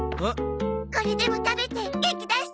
これでも食べて元気出して！